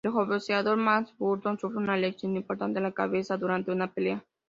El boxeador Matty Burton sufre una lesión importante en la cabeza durante una pelea.